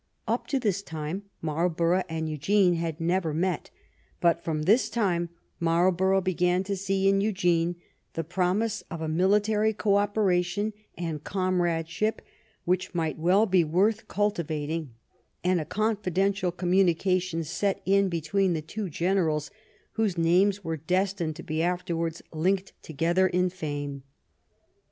Up to this time Marlborough and Eugene had never met, but from this time Marlborough began to see in Eugene the promise of a military co operation and comradeship which might well be worth cultivating, and a confidential communication set in between the two generals whose names were destined to be afterwards linked together in fame.